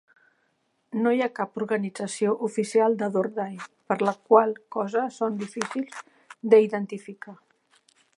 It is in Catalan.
No hi ha cap organització oficial de Dor Dai, per la qual cosa són difícils d'identificar.